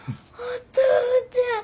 お父ちゃん